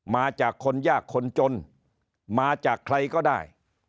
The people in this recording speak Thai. มาจากคนยากคนจนมาจากใครก็ได้